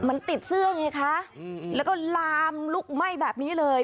มันติดเสื้อไงคะแล้วก็ลามลุกไหม้แบบนี้เลย